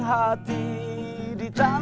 dan mencari kemampuan